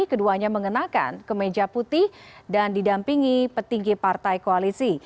keduanya mengenakan kemeja putih dan didampingi petinggi partai koalisi